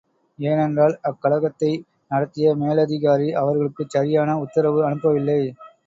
ஏனென்றால் அக்கலகத்தை நடத்திய மேலதிகாரி அவர்களுக்குச் சரியான உத்தரவு அனுப்பவில்லை.